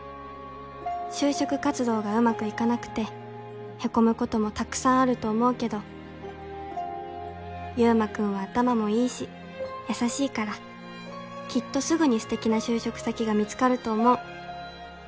就職活動が上手くいかなくてへこむことも沢山あると思うけど優磨君は頭も良いし優しいからきっとすぐに素敵な就職先が見つかると思う。